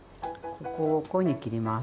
ここをこういうふうに切ります。